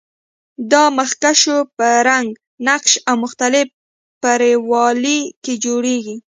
دا مخکشونه په رنګ، نقش او مختلف پرېړوالي کې جوړیږي.